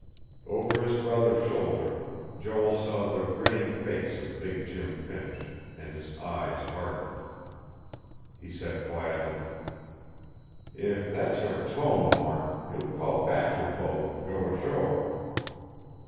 Over his brother's shoulder, Joel saw the grinning face of big Jim Finch, and his eyes hardened. He said quietly: "If that's your tone, Mark, you'll call back your boat and go ashore."